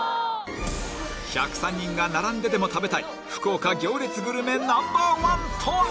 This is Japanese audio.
１０３人が並んででも食べたい福岡行列グルメＮｏ．１とは？